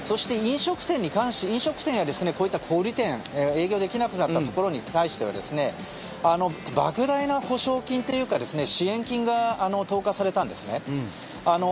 そして飲食店やこういった小売店営業できなくなったところに対してはばく大な補償金というか支援金が投下されたんですね。